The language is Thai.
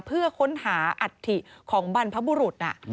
เพื่อค้นหาอัฐิของบรรพบุรุษ